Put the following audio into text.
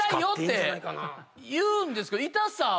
言うんですけど痛さを。